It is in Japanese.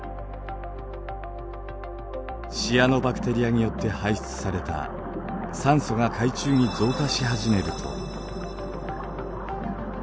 シアノバクテリアによって排出された酸素が海中に増加し始めると。